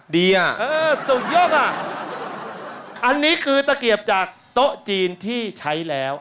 อ่ะเออสุกเยอะอ่ะอันนี้คือตะเกียบจากโต๊ะจีนที่ใช้แล้ว